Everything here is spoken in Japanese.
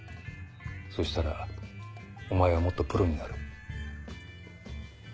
そしたらお前はもっとプロになる。